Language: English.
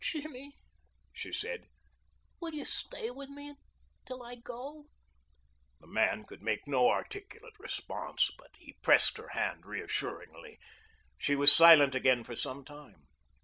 "Jimmy," she said, "will you stay with me until I go?" The man could make no articulate response, but he pressed her hand reassuringly. She was silent again for some time.